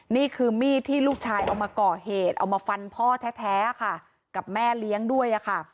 นี่คือมีดที่ลูกชายเอามาก่อเหตุเอามาฟันพ่อแท้ค่ะกับแม่เลี้ยงด้วยค่ะ